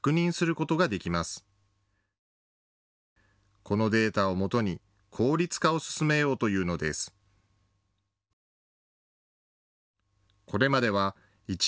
このデータをもとに効率化を進めようというのです。